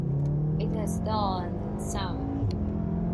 It has it all and then some!